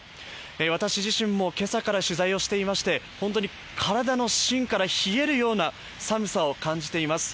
私自身も今朝から取材をしていまして、本当に体の芯から冷えるような寒さを感じています。